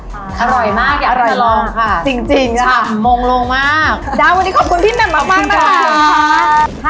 อร่อยมากอยากต้องลองค่ะ